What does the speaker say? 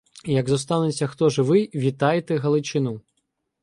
Як зостанеться хто живий, вітайте Галичину.